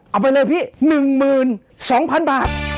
เอาไปเลยพี่หนึ่งหมื่นสองพันบาท